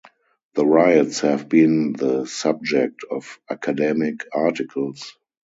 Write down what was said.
The riots have been the subject of academic articles.